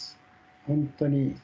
本当に。